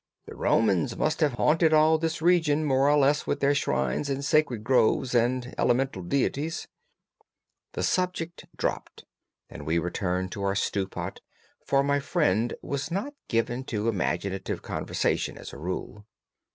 The Romans must have haunted all this region more or less with their shrines and sacred groves and elemental deities." The subject dropped and we returned to our stew pot, for my friend was not given to imaginative conversation as a rule.